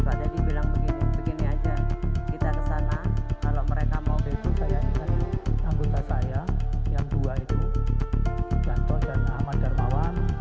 pak teddy bilang begini begini aja kita kesana kalau mereka mau